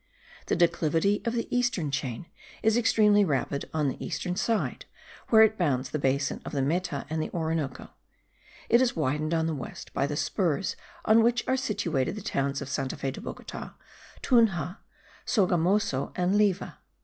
The declivity of the eastern chain is extremely rapid on the eastern side, where it bounds the basin of the Meta and the Orinoco; it is widened on the west by the spurs on which are situated the towns of Santa Fe de Bogota, Tunja, Sogamoso and Leiva.